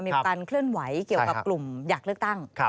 มีการเคลื่อนไหวเกี่ยวกับกลุ่มอยากเลือกตั้ง